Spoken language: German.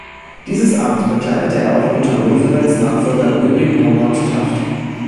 Dieses Amt bekleidete er auch unter Roosevelts Nachfolger William Howard Taft.